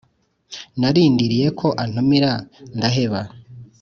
Narindiriye ko antumira ndaheba